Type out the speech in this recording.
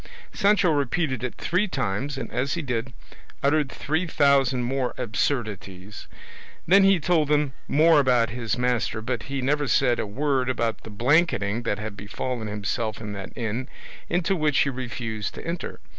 Sancho repeated it three times, and as he did, uttered three thousand more absurdities; then he told them more about his master but he never said a word about the blanketing that had befallen himself in that inn, into which he refused to enter.